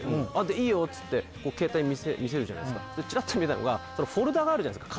「いいよ」っつって携帯見せるじゃないですかチラッと見えたのがフォルダがあるじゃないですか